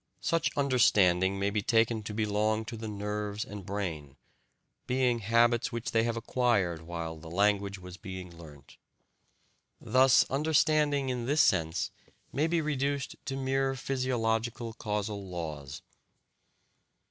Such "understanding" may be taken to belong to the nerves and brain, being habits which they have acquired while the language was being learnt. Thus understanding in this sense may be reduced to mere physiological causal laws.